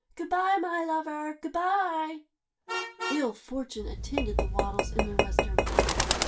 Good bye, my lover, good bye!" Ill fortune attended the Waddles in their western home.